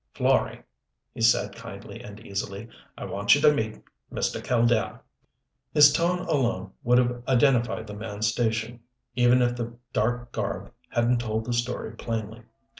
"Florey," he said, kindly and easily, "I want you to meet Mr. Killdare." His tone alone would have identified the man's station, even if the dark garb hadn't told the story plainly.